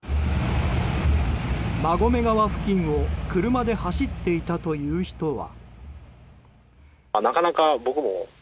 馬込川付近を車で走っていたという人は。